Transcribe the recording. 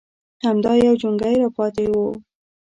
_همدا يو جونګۍ راپاتې و.